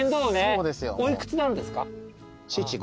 お幾つなんですか？